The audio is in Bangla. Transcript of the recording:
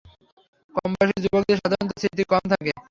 কমবয়েসি যুবকদের সাধারণত স্মৃতি কম থাকে।